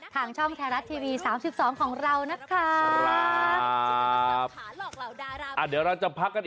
ทางช่องไทยรัฐทีวี๓๒ของเรานะครับ